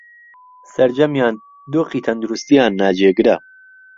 سەرجەمیان دۆخی تەندروستییان ناجێگرە